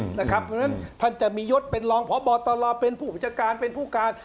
เพราะฉะนั้นท่านจะมียศเป็นรองพบตรเป็นผู้บัญชาการเป็นผู้การ